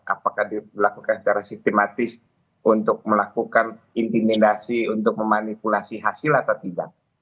apakah dilakukan secara sistematis untuk melakukan intimidasi untuk memanipulasi hasil atau tidak